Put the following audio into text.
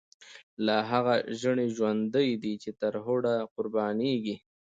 لا هغه ژڼۍ ژوندۍ دی، چی تر هوډه قربانیږی